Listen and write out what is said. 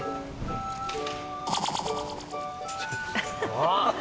あっ！